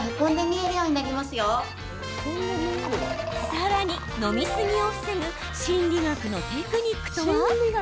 さらに、飲みすぎを防ぐ心理学のテクニックとは？